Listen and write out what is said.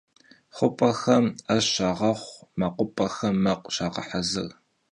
Xhup'exem 'eş şağexhu, mekhup'exem mekhu şağehezır.